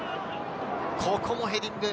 ここもヘディング。